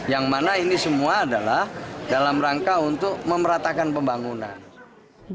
yang mana ini semua adalah dalam rangka untuk memeratakan pembangunan